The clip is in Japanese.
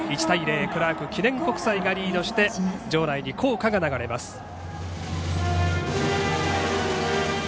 １対０、クラーク記念国際がリードして場内に校歌が流れます。